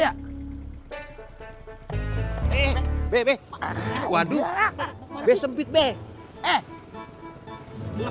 aaaa itu yang kemaren